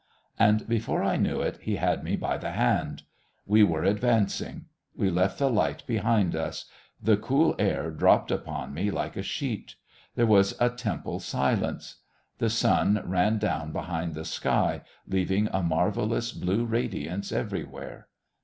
And, before I knew it, he had me by the hand. We were advancing. We left the light behind us. The cool air dropped upon me like a sheet. There was a temple silence. The sun ran down behind the sky, leaving a marvellous blue radiance everywhere.